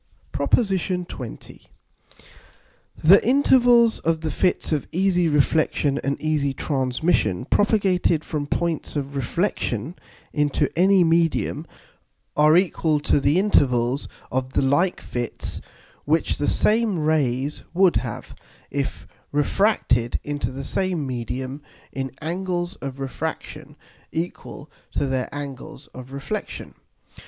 PROP. XX. _The Intervals of the Fits of easy Reflexion and easy Transmission, propagated from points of Reflexion into any Medium, are equal to the Intervals of the like Fits, which the same Rays would have, if refracted into the same Medium in Angles of Refraction equal to their Angles of Reflexion.